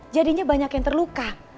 jadinya banyak yang terluka